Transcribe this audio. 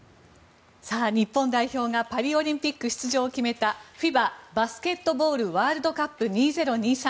日本代表がパリオリンピック出場を決めたＦＩＢＡバスケットボールワールドカップ２０２３。